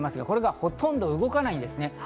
これがほとんど動かないんですね。